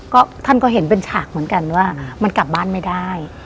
ก็ท่านก็เห็นเป็นฉากเหมือนกันว่ามันกลับบ้านไม่ได้